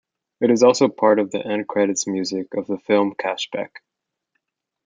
It is also part of the end credits music of the film Cashback.